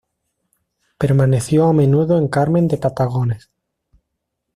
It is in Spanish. Permaneció a menudo en Carmen de Patagones.